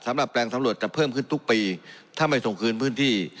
แปลงสำรวจจะเพิ่มขึ้นทุกปีถ้าไม่ส่งคืนพื้นที่